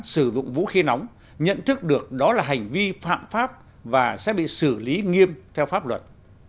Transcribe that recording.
sử dụng vũ khí nóng nhận thức được đó là hành vi phạm pháp và sẽ bị xử lý nghiêm theo pháp luật